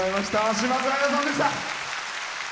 島津亜矢さんでした。